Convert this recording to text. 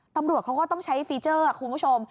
ตำรวจเขาก็ต้องใช้ฟีเจอร์คุณผู้ชม